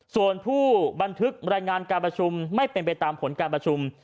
ส่วนผู้บันทึกรายงานการประชุมไม่เป็นไปตามผลการประชุม